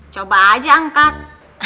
coba aja angkat